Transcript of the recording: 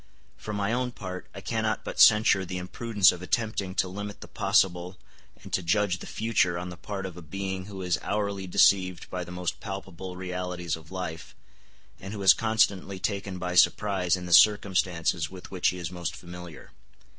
For my own part, I cannot but censure the imprudence of attempting to limit the possible and to judge the future on the part of a being who is hourly deceived by the most palpable realities of life, and who is constantly taken by surprise in the circumstances with which he is most familiar.